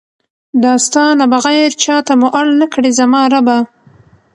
دا ستا نه بغیر چاته مو اړ نکړې زما ربه!